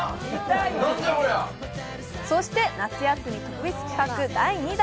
そして夏休み特別企画第２弾。